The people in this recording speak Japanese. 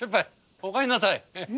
お帰んなさい。